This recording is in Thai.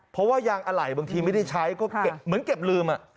เพราะว่ายางอะไหล่บางทีไม่ได้ใช้ก็เหมือนเก็บลืม